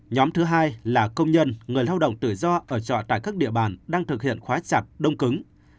nhóm thứ hai là công nhân người lao động tự do ở trọ tại các địa bàn đang thực hiện khóa chặt đông cứng